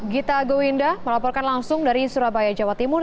gita gowinda melaporkan langsung dari surabaya jawa timur